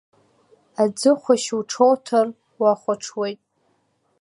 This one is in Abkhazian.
Аӡыхәашь уҽоуҭар уахәаҽуеит.